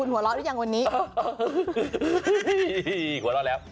หัวเราะแล้ว